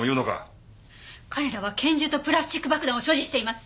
彼らは拳銃とプラスチック爆弾を所持しています。